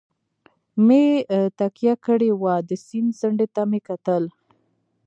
مې تکیه کړې وه، د سیند څنډې ته مې وکتل.